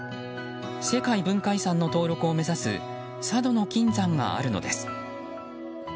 世界文化遺産の登録を目指す佐渡島の金山があるのです。